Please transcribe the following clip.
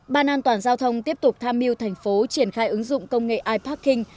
ban an toàn giao thông tiếp tục tham mưu thành phố triển khai ứng dụng công nghệ iparking